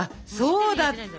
そうだった。